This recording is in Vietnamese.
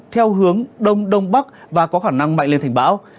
theo hướng đông đông bắc và có khả năng mạnh lên thành bão